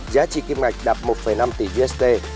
giá trị kim ngạch đạt một năm tỷ usd